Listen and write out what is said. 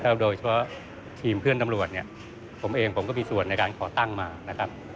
โดยเฉพาะทีมเพื่อนตำรวจเนี่ยผมเองผมก็มีส่วนในการก่อตั้งมานะครับ